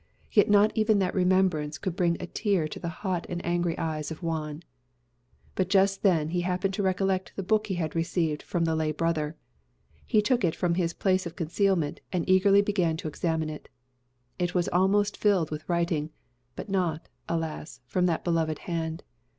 Yet not even that remembrance could bring a tear to the hot and angry eyes of Juan. But just then he happened to recollect the book he had received from the lay brother. He took it from its place of concealment, and eagerly began to examine it. It was almost filled with writing; but not, alas! from that beloved hand.